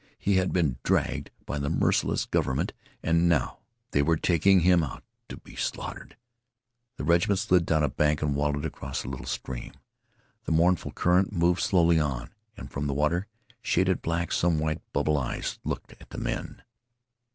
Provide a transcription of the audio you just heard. He had been dragged by the merciless government. And now they were taking him out to be slaughtered. The regiment slid down a bank and wallowed across a little stream. The mournful current moved slowly on, and from the water, shaded black, some white bubble eyes looked at the men.